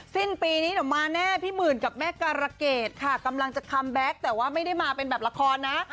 สิ้นปีนี้เดี๋ยวมาแน่พี่หมื่นกับแม่การะเกดค่ะกำลังจะคัมแบ็คแต่ว่าไม่ได้มาเป็นแบบละครนะ